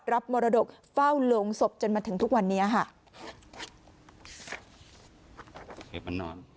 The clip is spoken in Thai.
มรดกเฝ้าโรงศพจนมาถึงทุกวันนี้ค่ะ